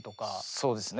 そうですね。